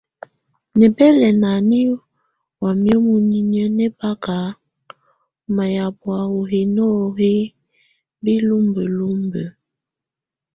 Nɛbɛlɛna nɛ wamɛ muninyə nɛbaka ɔ mayabɔa ɔ hino hɛ bilumbəlúmbə́.